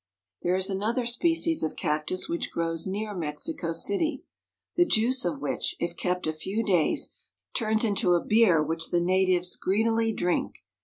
There is another species of cactus which grows near Mexico city, the juice of which, if kept a few days, turns into a beer which the natives greedily drink.